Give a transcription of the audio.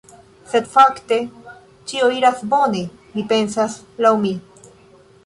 Sed fakte, ĉio iras bone, mi pensas, laŭ mi.